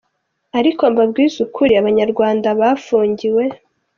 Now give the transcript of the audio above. ariko mbabwize ukuri abanyarwanda bafungiwe.